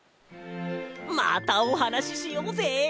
またおはなししようぜ！